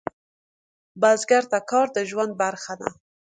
بزګر ته کار د ژوند برخه ده